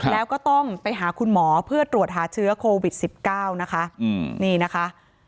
แล้วก็ต้องไปหาคุณหมอเพื่อตรวจหาเชื้อโควิด๑๙นะคะนี่นะคะ